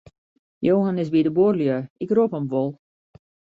Johan is by de buorlju, ik rop him wol.